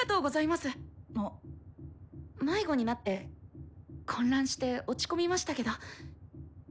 迷子になって混乱して落ち込みましたけど。